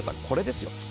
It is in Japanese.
これですよ。